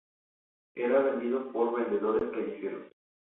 Era vendido por vendedores callejeros.